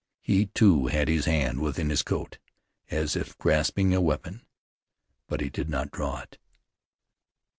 He, too, had his hand within his coat, as if grasping a weapon; but he did not draw it.